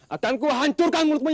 akan kuhancurkan mulutmu